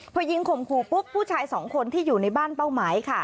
พอยิงข่มขู่ปุ๊บผู้ชายสองคนที่อยู่ในบ้านเป้าหมายค่ะ